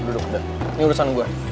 ini urusan gue